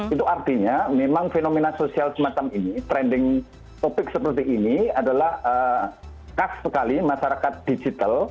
itu artinya memang fenomena sosial semacam ini trending topic seperti ini adalah khas sekali masyarakat digital